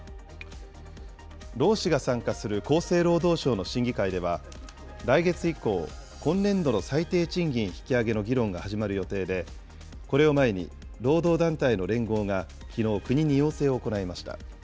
労使が参加する厚生労働省の審議会では、来月以降、今年度の最低賃金引き上げの議論が始まる予定で、これを前に労働団体の連合が、きのう、国に要請を行いました。